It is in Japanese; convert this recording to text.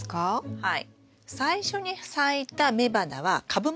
はい。